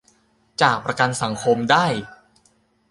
จากประกันสังคมได้